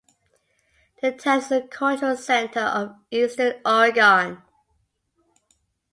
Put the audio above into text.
The town is the cultural center of Eastern Oregon.